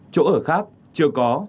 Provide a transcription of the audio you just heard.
chỗ ở khác chưa có